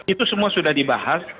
itu semua sudah dibahas